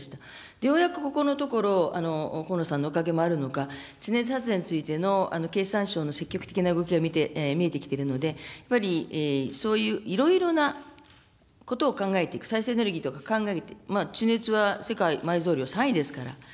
ようやくここのところ、河野さんのおかげもあるのか、地熱発電についての経産省の積極的な動きが見えてきているので、やはりそういう、いろいろなことを考えていく、再生エネルギーとか考えて、地熱は世界埋蔵量３位ですから。